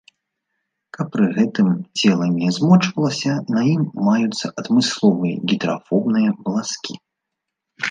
Каб пры гэтым цела не змочвалася, на ім маюцца адмысловыя гідрафобныя валаскі.